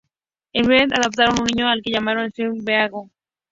En Vietnam adoptaron un niño al que llamaron Zhang Bao.